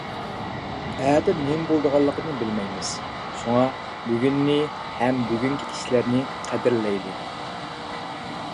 ئەتە نېمە بولىدىغانلىقىنى بىلمەيمىز. شۇڭا بۈگۈننى ھەم بۈگۈنكى كىشىلەرنى قەدىرلەيلى!